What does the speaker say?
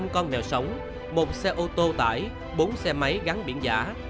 một mươi năm con mèo sống một xe ô tô tải bốn xe máy gắn biển giả